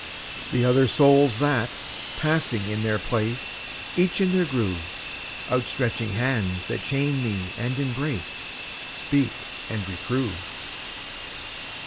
The other souls that, passing in their place, Each in their groove; Out stretching hands that chain me and embrace, Speak and reprove.